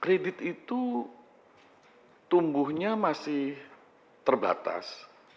kredit itu tumbuhnya masih terbatas